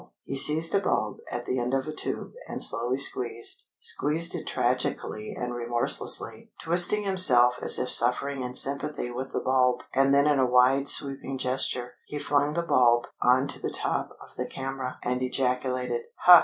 He seized a bulb at the end of a tube and slowly squeezed squeezed it tragically and remorselessly, twisting himself as if suffering in sympathy with the bulb, and then in a wide sweeping gesture he flung the bulb on to the top of the camera, and ejaculated: "Ha!"